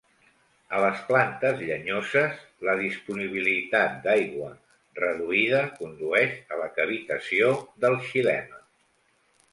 A les plantes llenyoses, la disponibilitat d'aigua reduïda condueix a la cavitació del xilema.